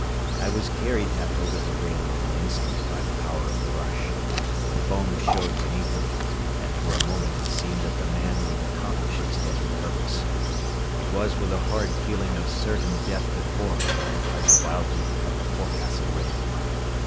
I was carried half over the rail in an instant by the power of the rush. The foam showed beneath me, and for a moment it seemed that the man would accomplish his deadly purpose. It was with a horrid feeling of certain death before me that I clutched wildly at the forecastle rail.